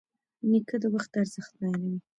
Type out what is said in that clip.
نیکه د وخت ارزښت بیانوي.